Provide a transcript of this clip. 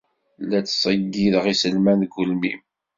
La ttṣeyyideɣ iselman deg ugelmim.